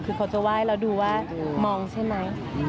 ก็จะไหว้เราดูว่ามองใช่ไหม